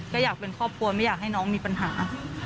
ก็อยากเป็นครอบครัวไม่อยากให้น้องมีปัญหา